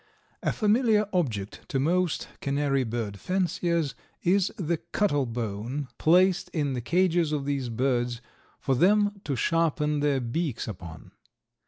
A familiar object to most canary bird fanciers is the cuttle bone placed in the cages of these birds for them to sharpen their beaks upon.